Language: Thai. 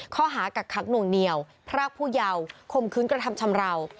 ข้อหากักคลักหนุ่งเนียวพรากผู้เยาว์ขมขืนกระทำชำราว